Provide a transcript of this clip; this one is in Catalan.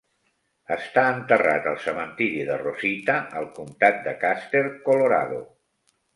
Està enterrat al cementiri de Rosita al comtat de Custer, Colorado.